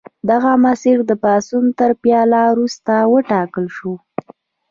دغه مسیر د پاڅون تر پیل وروسته وټاکل شو.